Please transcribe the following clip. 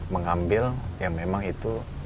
mengambil yang memang itu